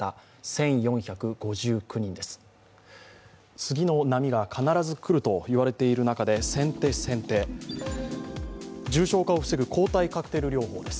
次の波が必ず来ると言われている中で先手、先手、重症化を防ぐ抗体カクテル療法です。